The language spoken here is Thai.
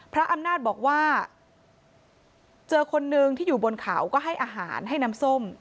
พระอำนาจบอกว่าเจอคนนึงที่อยู่บนเขาก็ให้อาหารให้น้ำส้ม